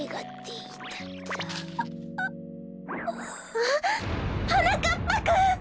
あっはなかっぱくん！